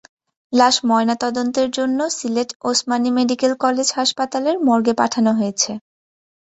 লাশ ময়নাতদন্তের জন্য সিলেট ওসমানী মেডিকেল কলেজ হাসপতালের মর্গে পাঠানো হয়েছে।